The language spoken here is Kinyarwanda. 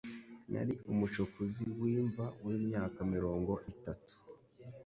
Nari umucukuzi w'imva wimyaka mirongo itatu.